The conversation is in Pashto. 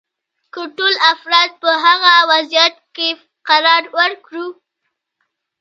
که ټول افراد په هغه وضعیت کې قرار ورکړو.